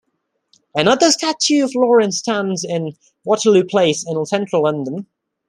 Another statue of Lawrence stands in Waterloo Place in central London.